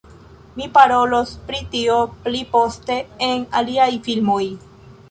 Mi parolos pri tio pli poste en aliaj filmoj